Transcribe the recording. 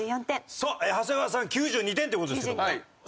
さあ長谷川さん９２点っていう事ですけども。